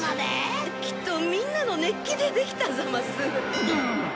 きっとみんなの熱気でできたざます。